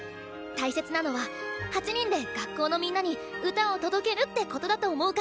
大切なのは８人で学校のみんなに歌を届けるってことだと思うから。